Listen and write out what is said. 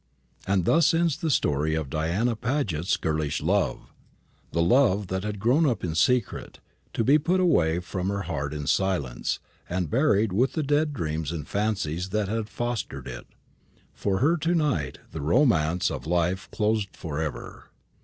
And thus ends the story of Diana Paget's girlish love the love that had grown up in secret, to be put away from her heart in silence, and buried with the dead dreams and fancies that had fostered it. For her to night the romance of life closed for ever.